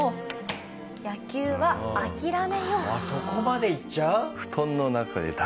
そこまでいっちゃう？